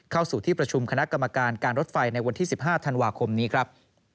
เข้าสู่ที่ประชุมคณะกรรมการการรถไฟในวันที่๑๕ธันวาคมนี้ครับ